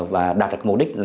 và đạt được mục đích là